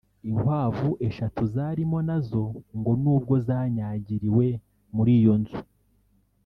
Inkwavu eshatu zarimo na zo ngo n’ubwo zanyagiriwe muri iyo nzu